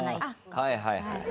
はいはいはい。